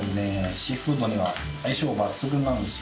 シーフードには相性抜群なんですよ。